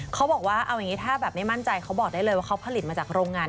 เขาบอกว่าเอาอย่างนี้ถ้าแบบไม่มั่นใจเขาบอกได้เลยว่าเขาผลิตมาจากโรงงาน